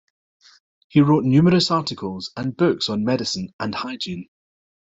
He wrote numerous articles and books on medicine and hygiene.